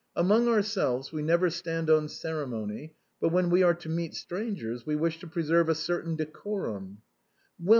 Among ourselves we never stand on ceremony, but when we are to meet strangers, we wish to preserve a certain decorum."